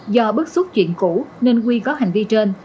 do bức xúc chuyện cũ nên huy có hành vi trên